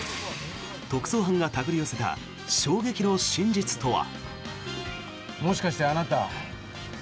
特捜班が手繰り寄せた衝撃の真実とは？